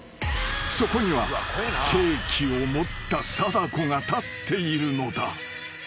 ［そこにはケーキを持った貞子が立っているのだ］